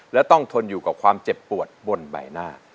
และต้องทนอยู่กับความเจ็บปวดบนใบหน้า